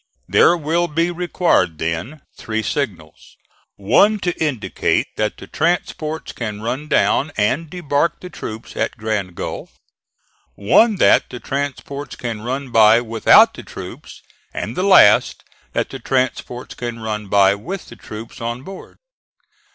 There will be required, then, three signals; one, to indicate that the transports can run down and debark the troops at Grand Gulf; one, that the transports can run by without the troops; and the last, that the transports can run by with the troops on board.